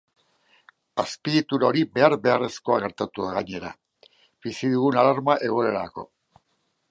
Azpiegitura hori behar-beharrezkoa gertatu da, gainera, bizi dugun alarma egoerarako.